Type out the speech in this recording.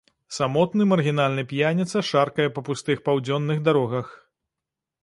Самотны маргінальны п'яніца шаркае па пустых паўдзённых дарогах.